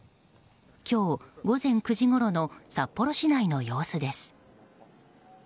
今日午前９時ごろの札幌市内の様子です。